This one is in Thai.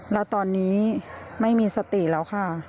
แล้วตอนนี้ไม่มีสติแล้วค่ะ